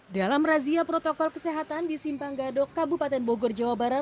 dalam razia protokol kesehatan di simpang gadok kabupaten bogor jawa barat